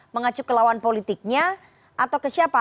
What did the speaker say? mengacu ke lawan politiknya atau ke siapa